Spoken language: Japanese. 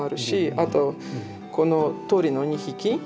あとこの鳥の２匹。